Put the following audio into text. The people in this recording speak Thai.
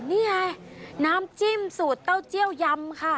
นี่ไงน้ำจิ้มสูตรเต้าเจี้ยยำค่ะ